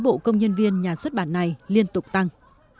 bộ công nhân viên nhà xuất bản này liên tục tăng